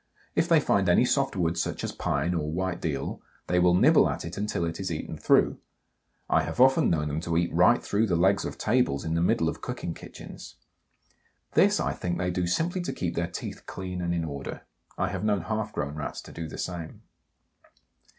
If they find any soft wood such as pine or white deal, they will nibble at it until it is eaten through. I have often known them to eat right through the legs of tables in the middle of cooking kitchens. This, I think, they do simply to keep their teeth clean and in order; I have known half grown Rats to do the same.